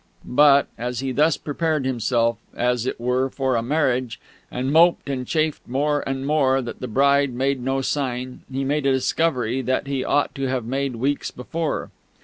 But, as he thus prepared himself, as it were, for a Marriage, and moped and chafed more and more that the Bride made no sign, he made a discovery that he ought to have made weeks before.